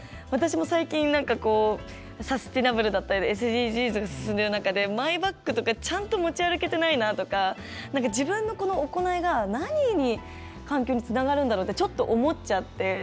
私も最近、サステナブルだったりＳＤＧｓが進んでる中でマイバッグとかちゃんと持ち歩けてないなとか自分の行いが何に環境につながるんだろうってちょっと思っちゃって。